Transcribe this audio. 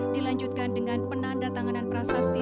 dilanjutkan dengan penanda tanganan prasasti